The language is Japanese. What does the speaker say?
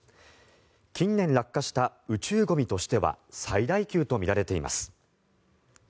近年落下した宇宙ゴミとしては最大級とみられています。